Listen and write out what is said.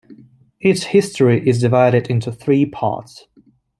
Its history is divided into three parts.